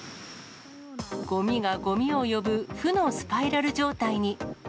ごみがごみを呼ぶ、負のスパイラル状態に。